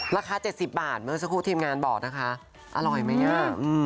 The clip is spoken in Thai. ราคา๗๐บาทเมื่อสักครู่ทีมงานบอกนะคะอร่อยไหมอ่ะ